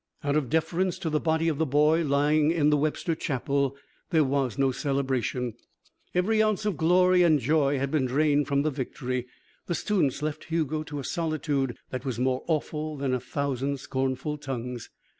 Out of deference to the body of the boy lying in the Webster chapel there was no celebration. Every ounce of glory and joy had been drained from the victory. The students left Hugo to a solitude that was more awful than a thousand scornful tongues.